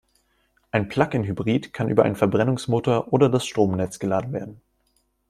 Ein Plug-in-Hybrid kann über einen Verbrennungsmotor oder das Stromnetz geladen werden.